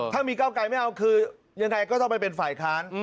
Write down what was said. ถ้ามีเก้าไกลไม่เอาคือยังไงก็ต้องไปเป็นฝ่ายค้าน